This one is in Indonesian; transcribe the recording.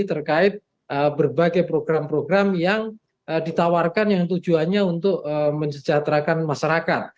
terkait berbagai program program yang ditawarkan yang tujuannya untuk mensejahterakan masyarakat